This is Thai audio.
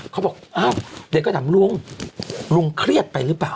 เขาก็บอกเดี๋ยวก็ทำลุงลุงเครียดไปหรือเปล่า